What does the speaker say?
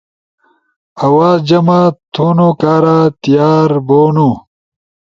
آواز جمع تھونو کارا تیار بھونو؟